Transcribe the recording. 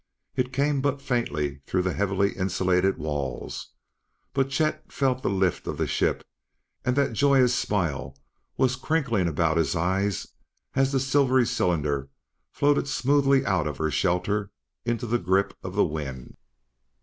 It came but faintly through the heavily insulated walls, but Chet felt the lift of the ship, and that joyous smile was crinkling about his eyes as the silvery cylinder floated smoothly out of her shelter into the grip of the wind.